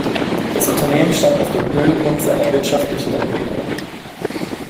Das Unternehmen stand auf dem Höhepunkt seiner wirtschaftlichen Entwicklung.